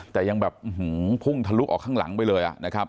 แต่ยังแบบพุ่งทะลุออกข้างหลังไปเลยนะครับ